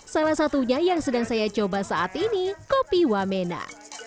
salah satunya yang sedang saya coba saat ini kopi wamena